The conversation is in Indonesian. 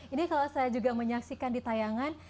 ini kalau saya juga menyaksikan di tayangan